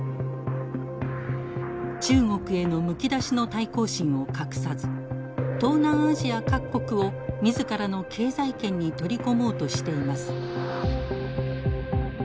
中国へのむき出しの対抗心を隠さず東南アジア各国を自らの経済圏に取り込もうとしています。